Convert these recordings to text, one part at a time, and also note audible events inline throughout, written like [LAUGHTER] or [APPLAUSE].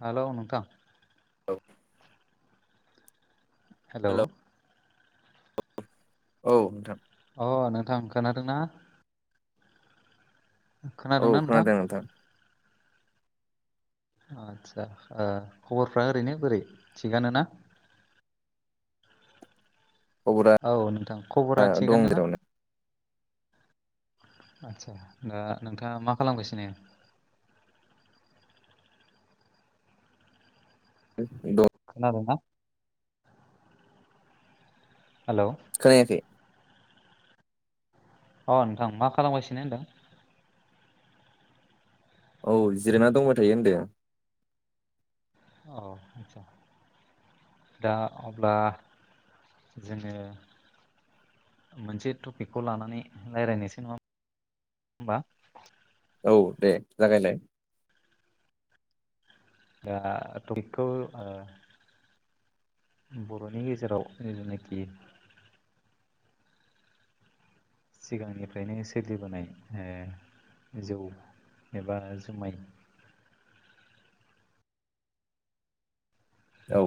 Hello नोंथां औ hello hello औ नोंथां अ नोंथां खोनादों ना? औ खोनादोंना नोंथां खोनादों आतसा खबरफ्रा ओरैनो बोरै थिगानोना? खबरा औ नोंथां खबरा दं थिगानो ना? जेरावनो आदसा दा नोंथाङा मा खालामगासिनो? [UNINTELLIGIBLE] खोनादोंना? हेलौ खोनायाखैै अ नोंथां मा खालामगासिनो नोंथां। औ जिरायना दंबाय थायो होनदों। औ आतसा। दा अब्ला जोङो मोनसे टपिकखौ लानानै रायज्लायनायसो नङा होनबा। औ दे जागायल दा टखौ बर'नि गेजेराव जेनाखि सिगांनिफ्रायनो सोलिबोनाय जौ एबा जुमाय औ।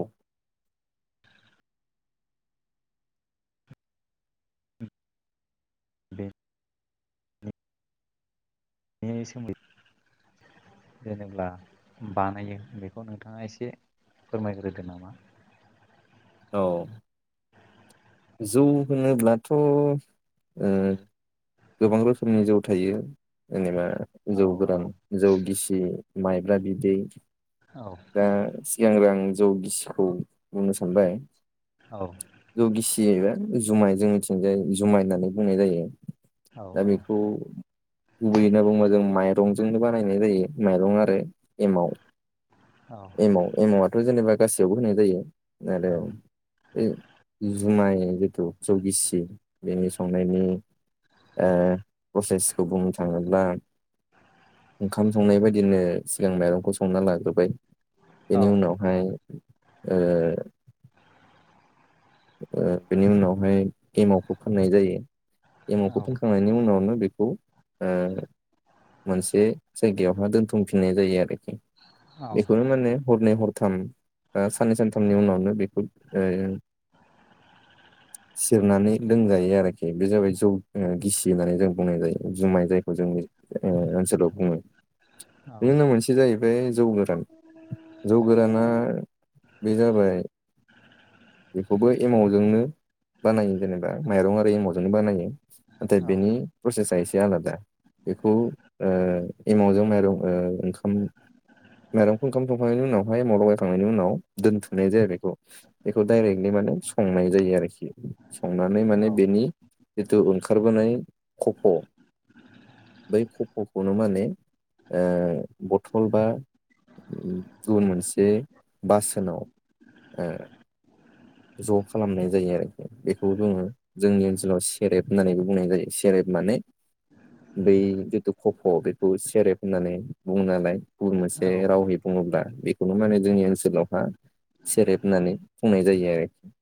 बे बे सोमद जेनेब्ला बानायो बेखौ नोंथाङा एसे फोरमायग्रोदो नामा? औ। जौ होनोब्लाथ' गोबां रोखोमनि जौ थायो जेनेबा औ जौ औ गोरान जौ गिसि माइब्रा बिदै औ। दा सिगांग्रो आं जौ गिसिखौ बुंनो सानबाय औ। जौ गिसियैबा जुमाय जोंनिथिंजाय जुमाय होननानै बुंनाय जायो। औ दा बेखौ। गुबैय होनना बुङोबा जों माइरंजोंनो बानायनाय जायो माइरं आरो एमाव औ एमव एमव आथ जेनेबा गासैयावबो होनाय जायो आरो जुमाय जिथु जौगिसि बेनि संनायनि प्रसेसखौ बुंनो थाङोब्ला ओंखाम संनाय बायदिनो सिगां माइरंखौ संना लाजोब्बाय औ बेनि उनावहाय। बेनि उनावहाय एमावखौ फाननाय जायो एमावखौ औ फानखांनानै। बेनि उनावनो बेखौ। मोनसे जायगायावहा दोनथुमफिननाय जायो आरोखि। बेखौनो माने हरनै हरथाम साननै सानथामनि उनावनो बेखौ। सिरनानै लोंजायो आरोखि बे जाबाय जौ गिसि होननानै जों बुंनाय जायो जुमाय जायखौ जोंनि। ए ओनसोलाव बुङो। बिनि औ औ उनाव मोनसे जाहैबाय जौ गोरान जौ गोराना बे जाबाय। बेबो एमावजोंनो बानायो जेनेबा माइरं आरो एमावजोंनो बानायो नाथाय औ बेनि प्रसेसा एसे आलादा बेखौ एमावजों माइरं ओंखाम। माइरंखौ ओंखाम थंखांनायनि उनावहाय मावलााव गायखांनायनि उनाव दोनथ'नाय जाया बेखौ बेखौ डाइरेक्ट मानि माने संनाय जायो आरोखि संनानै ओ माने बेनि जिथु ओंखारबोनाय खफ' बै खफ'खौनो माने बथल बा गुबुन मोनसे बासोनाव ज' खालामनाय जायो आरोखि बेखौ जोङो। जोंनि ओनसोलाव सेरेब होन्नानैबो बुंनाय जायो सेरेब माने। बै जितु कफ' बेखौ सेरेब होननानै बुङो नालाय गुबुन मोनसे रावहै बुङोब्ला बेखौनो माने जोंनि ओनसोलावहा सेरेब होननानै बुंनाय जायो आरोखि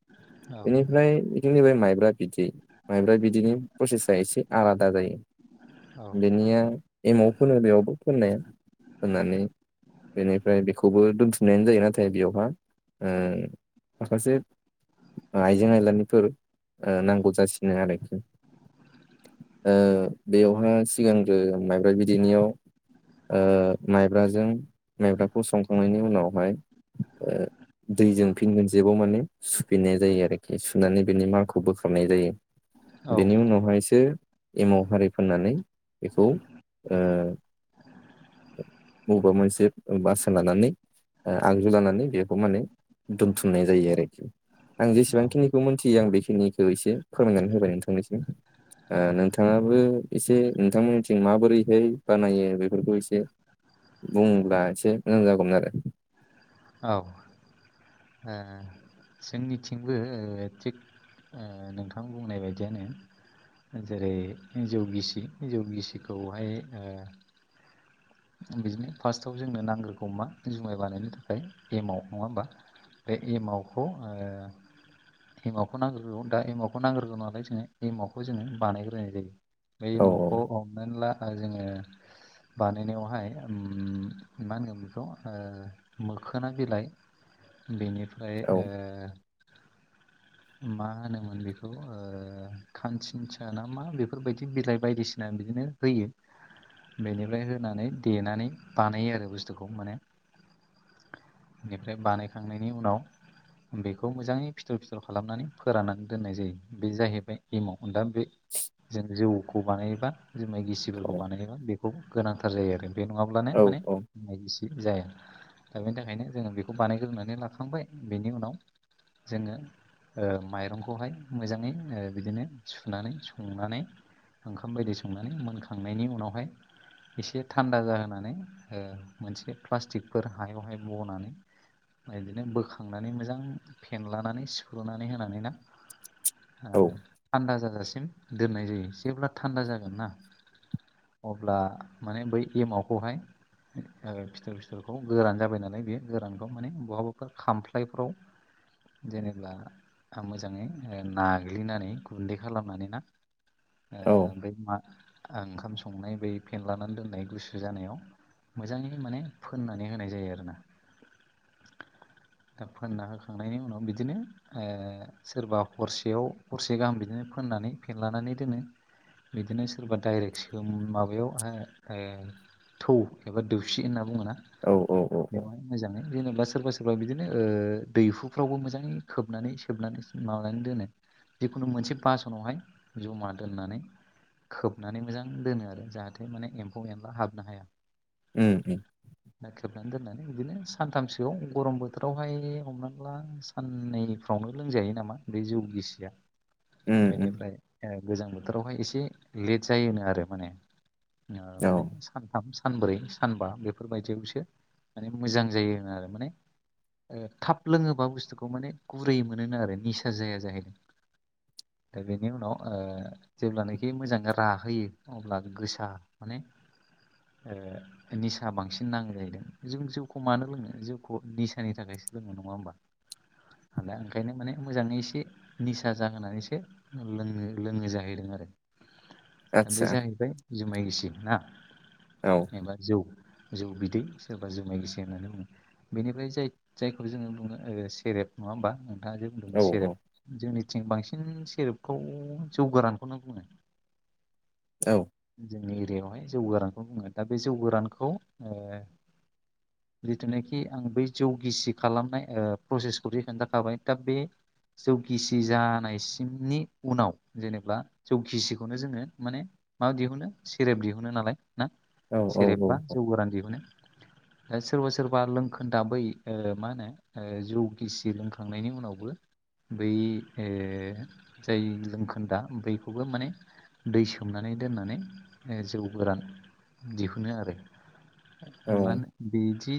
बेनिफ्राय जोंनि बे माइब्रा बिदै माइब्रा बिदैनि प्रसेसा एसे आलादा जायो। बेनिया एमाव फोनो बेयावबो फोननाया होननानै। बेनिफ्राय बेखौबो दोनफिननायानो जायो नाथाय बेयावहा ओ माखासे आइजें आयलानिफोर नांगौ जासिनो आरो ओ बेयावहाय सिगांग्रो माइब्रा बिदैनियाव माइब्राजों माइब्राखौ संखांनायनि उनावहाय दैजों फिन मोनसे जेबाव माने सुफैनाय जायो आरोखि सुनानै बेनि मारखौ बोखारनाय जायो बेनि उनावहायसो एमाव हारि फोननानै बेखौ ओ बबेबा मोनसे बासोन लानानै आगजु लानानै बेखौ माने दोनथुमनाय जायो आरोखि आं जेसेबांखिनि बेखौ मिथियो आं बेखिनिखौ एसे फोरमायनानै होबाय नोंथांनिसिम नोंथाङाबो एसे नोंथांमोननिथिं माबोरैहाय बानायो बेफोरखौ एसे बुंब्ला एसे मोजां जागौमोन आरो औ ओ जोंनिथिंबो थिग ओ नोंथां बुंनाय बायदिनो जेरै जौ गिसि जौ गिसिखौहाय ओ बिदिनो फार्स्टआव जोंनो नांग्रोगौ मा जुमाय बानायनो थाखाय एमाव नङा होमबा बे एमावखौ ओ एमावखौ नांग्रोगौ दा एमावखौ नांग्रोगौ नालाय जोङो एमावखौ जोङो बानायग्रोनाय जायो। दै औ मगखौ हमनानै ला आरो जोङो बानायनायावहाय मा होनगोन बेखौ मोखोना बिलाइ बेनिफ्राय औ ओ मा होनोमोन बेखौ ओ खानसिनसा ना मा बेफोरबायदि बिलाइ बायदिसिना बिदिनो होयो बेनिफ्राय होनानै देनानै बानायो आरो बुस्थुखौ माने बेनिफ्राय बानायखांनायनि उनाव बेखौ मोजाङै फिथर फिथर खालामनानै फोराननानै दोननाय जायो। बे जाहैबाय एमाव दा बे जों जौखौ बानायोबा जुमाय औ गिसिफोरखौ बानायोबा बेखौ गोनांथार जायो आरो बे नङाब्लानो औ माने औ नायदिसे जाया दा बेनि थाखायनो जोङो बेखौ बानायग्रोनानै लाखाबाय बेनि उनाव जोङो माइरंखौहाय मोजाङै बिदिनो सुनानै संनानै ओंखाम बायदि संनानै मोनखांनायनि उनावहाय एसे थान्दा जाहोनानै मोनसे प्लास्टिकफोर हायावहाय बनानै बिदिनो बोखांनानै मोजां फेनलानानै सिफ्रुनानै होनानै ना औ थान्दा जाजासिम दोननाय जायो जेब्ला थान्दा जागोन ना अब्ला माने बै एमावखौहाय ओ फिथर फि- थरखौ गोरान जाबाय नालाय बेयो गोरानखौ माने बहाबाफोर खामफ्लायफ्राव जेनेबा आ मोजाङै नाग्लिनानै गुन्दै खालामनानै ना ओ औ बै मा ओंखाम संनाय बै फेेन लानानै दोनाय गुसु जानायाव मोजाङै माने फोननानै होनाय जायो आरोना दा फोनना होखांनायनि उनाव बिदिनो ओ सोरबा हरसेयाव हरसे गाहाम बिदिनो फोननानै फेनलानानै दोनो बिदिनो सोरबा डाइरेक्टस माबायाव ओ थौ एबा दोख्सि होनना बुङोना औ औ औ औ बेवाय मोजाङै जेनेबा सोरबा सोरबा बिदिनो दैहुफ्रावबो मोजाङै खोबनानै सोबनानै माबानानै दोनो जिखुनु मोनसे बासनावहाय जमा दोननानै खोबनानै मोजां दोनो आरो जाहाथे माने एम्फौ एनला हाबनो हाया। उम उम खोबनानै दोननानै बिदिनो सानथामसोआव गरम बोथोरावहाय हमनानै ला साननैफ्रावनो लोंजायो नामा बे जौ गिसिया उम उम बेनिफ्राय गोजां बोथोरावहाय एसे लेट जायोनो आरो माने औ माने सानथाम सानब्रै सानबा बेफोरबायदि यावसो माने मोजां जायो आरो माने थाब लोङोबा बुस्थुखौ माने गुरै मोनोनो आरो निसा जाया जाहैदों। दा बेनि उनाव जेब्लानोाखि मोजां रा होयो अब्ला गोसा माने निसा बांसिन नांगौ जाहैदों जों जौखौ मानो लोङो जउखौ निसानि थाखायसो लोङो नङा होमबा? दा ओंखायनो माने मोजाङै एसे निसा जाहोनानैसो लों लोङो जाहैदों आरो। द आदसा बे जाहैबाय जुमाय गिसि ना। औ। जेनेबा जौ जौ बिदै सोरबा जुमाय गोसो होननानै बुङो। बेनिफ्राय जाय जायखौ जोङो बुङो सेरेप नङा होमबा नोंथाङा जे औ बुंदोंमोन सेरेप जोंनिथिं बांसिन सेरेपखौ जौ गोरानखौनो बुङो। औ। जोंनि एरियायावहाय जौ गोरानखौ बुङो दा बे जौ गोरानखौ। रिथोननाखि आं बै जौगिसि खालामनाय प्रसेसखौ रिट जाबाय दा बे जौखिसि जानायसिमनि उनाव जेने जौखिसिखौनो जोङो माने माबा दिहुनो सेरेब दिहुनो नालाय ना औ औ औ सेरेबबा गोर सोरबा सोरबा लोंखोन दाबै मा होनो जौ गिसि रोंखांनायनि उनावबो बै जाय लोमखोन्दा बैखौबो माने दै सोमनानै दोननानै जौ गोरान दिहुनो आरो। औ मा बिदि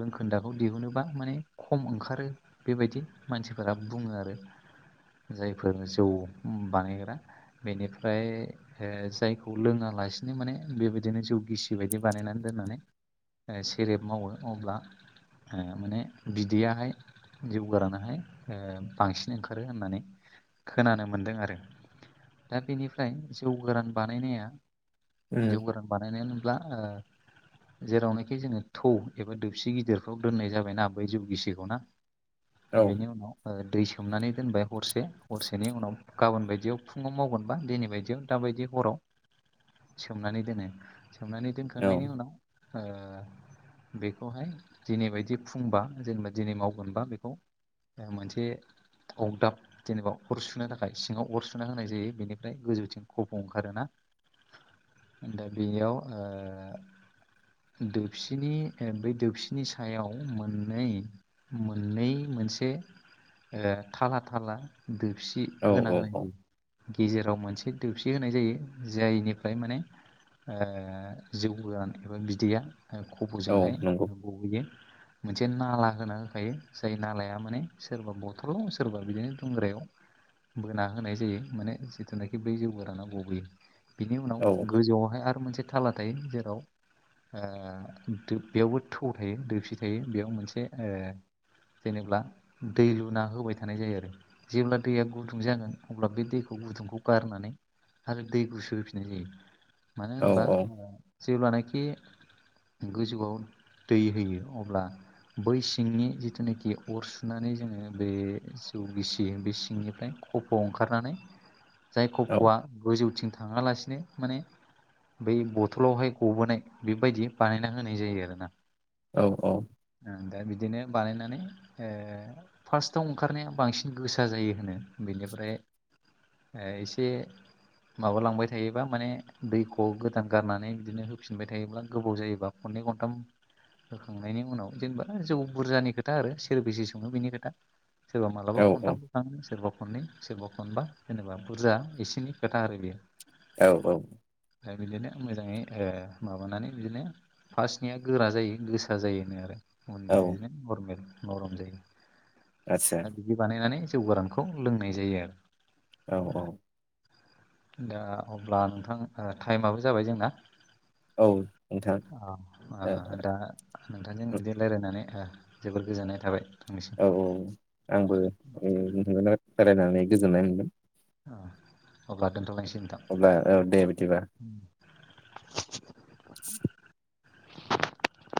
लोंखोन्दाखौ दिहुनोबा माने खम ओंखारो? बेबायदि मानसिफोरा बुङो आरो जायफोर जौ बानायग्रा। बेनिफ्राय जायखौ लोङालासिनो माने बेबायदिनो जौ गिसिबाय। बिदि बानायनानै दोननानै सेरेब मावो अब्ला माने बिदैयाहाय जिउ गारानहाय बांसिन ओंखारो होननानै खोनानो मोन्दों आरो दा बेनिफ्राय जौ गोरान बानायनाया जौ उम गोरान बानायनायानो होनब्ला [INAUDIBLE] जेरावनोखि जोङो थौ एबा दोबसि गिदिरखौ दोननाय जाबायना बै जौ गिसिखौ ना औ बेनि उनाव दै सोमनानै दोनबाय हरसे हरसेनि उनाव गाबोन बायदियाव फुङाव मावगोनबा दिनै बायदियाव दााबायदि हराव सोमनानै दोनो सोमनानै दोनखांनायनि उनाव ओ बेखौहाय दिनैबायायदि फुंबा जेनेबा दिनै मावगोनबा बेखौ मोनसे अगदाब जेनेबा अर सुनो थाखाय सिङाव अर सुना होनाय जायो बेनिफ्राय गोजौथिं खब' ओंखारोना ए बबेयाव दोबसिनि बै दोबसिनि सायाव मोननै मोननै मोनसे थाला थाला दसि औ औ होनांनाय औ जायो। गेजेराव मोनसे दोबसि होनाय जायो जायनिफ्राय माने जौ गोदान एबा बिदैया औ खबरजोंहाय नंगौ बोहैयो। मोनसे नाला होना होखायो जाय नालाया माने सोरबा बथलाव सोरबा बिदिनो दुंग्रायाव बोना होनाय जायो माने जिथुनाखि बै जौ गोराना गबोैयो बिनि उनाव औ गोजौआवहाय आरो मोनसे थाला थायो जेराव बेयावबो थौ थायो दोरसि थायो बेयाव मोनसे जेनेा दै लुना होबाय थानाय जायो आरो जेब्ला दैया गुदुं जागोन अब्ला बे दैखौ गुदुंखौ गारनानै आरो दै गुसो होफिननाय जायो मानो औ होनबा औ जेब्लानाखि गोजौआव दै होयो अब्ला बै सिंनि जिथुनाखि अर सुनानै जोङो बे जौ गिसि बे सिंनिफ्राय खफ' ओंखारनानै जाय औ खफ'आ गोजौथिं थाङालासिनो माने बै बथलावहाय गबोनाय बेबायदि बानायना होनाय जायो आरोना औ औ ओं दा बिदिनो बानायनानै ओ फार्स्टआव ओंखारनाया बांसिन गोसा जायो होनो बेनिफ्राय एसे माबालांबाय थायोबा माने दै खौ गोदान गारनानै बिदिनो होफिनबाय थायोब्ला गोबाव जायोबा खननै खनथाम होखांनायनि उनाव जेनेबा जौ बुरजानि खोथा आरो सोर बेसेे सङो बेनि खोथा सोरबा औ मालाबा खनथाम खनथाम सोरबा खननै सोरबा खनबा जेनेबा बुरजा एसिनि खोथा आरो बियो औ औ ओमफ्राय बिदिनो मोजाङै ओ माबानानै बिदिनो फार्स्टनिया गोरा जायो गोसा जायो होनो आरो औ उननिआ बिदिनो नरमेल नरम जायो। आदसा दा बिदि बानायनानै जौ गोरानखौ लोंनाय जायो आरो औ औ दा अब्ला नोंथां टाइमाबो जाबाय जोंना औ नोंथां अ ओ दा नोंथांजों बिदि रायजलायनानै जोबोर गोजोननाय थाबाय आंनिसिम औ औ आंबो नोंथांजों रायलायनानै गोजोननाय मोनदों अ अब्ला दोनथ'लायसै नोंथां अब्ला औ दे बिदिब्लाा [INAUDIBLE] [INAUDIBLE]